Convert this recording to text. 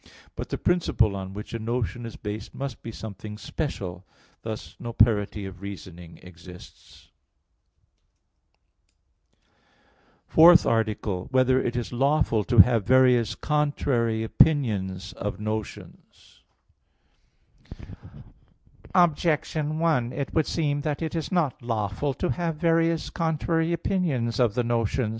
But the principle on which a notion is based must be something special; thus no parity of reasoning exists. _______________________ FOURTH ARTICLE [I, Q. 32, Art. 4] Whether It Is Lawful to Have Various Contrary Opinions of Notions? Objection 1: It would seem that it is not lawful to have various contrary opinions of the notions.